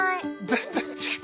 全然違う。